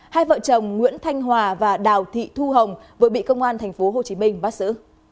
hai vợ chồng nguyễn thanh hòa và đào thị thu hồng vừa bị công an tp hcm bắt xử